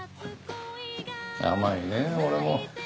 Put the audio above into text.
甘いね俺も。